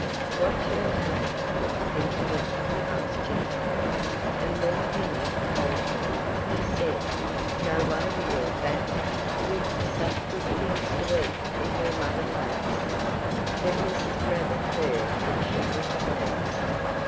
"What's your name?" Peter Mink asked Jimmy. And when Jimmy told him, he said: "No wonder you're fat, with such good things to eat as your mother makes." When Mrs. Rabbit heard that she was pleased.